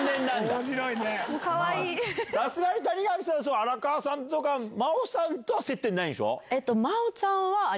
さすがに谷垣さんは荒川さんとか真央さんとは接点ないんでしょ？